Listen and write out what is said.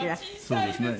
そうですね。